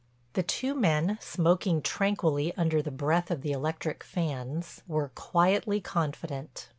The two men, smoking tranquilly under the breath of the electric fans, were quietly confident.